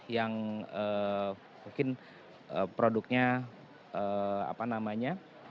yang mungkin produknya apa namanya